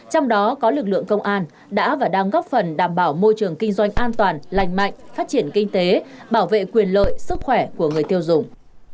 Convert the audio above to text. trong đó có lực lượng công an đã và đang góp phần đảm bảo môi trường kinh doanh an toàn lành mạnh phát triển kinh tế bảo vệ quyền lợi sức khỏe của người tiêu dùng